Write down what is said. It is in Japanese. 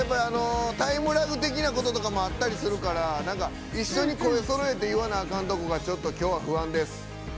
タイムラグ的なこともあったりするから一緒に声そろえて言わなあかんところがちょっと不安です。